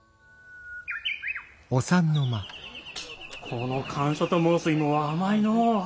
この甘藷と申す芋は甘いの。